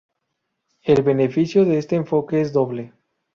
El beneficio de este enfoque es doble.